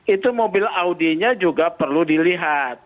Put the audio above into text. itu mobil audinya juga perlu dilihat